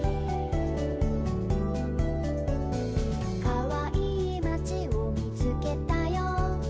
「かわいいまちをみつけたよ」